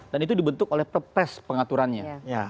dan itu dibentuk oleh pepres pengaturannya